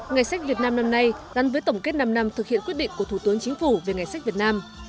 ngày sách việt nam năm nay gắn với tổng kết năm năm thực hiện quyết định của thủ tướng chính phủ về ngày sách việt nam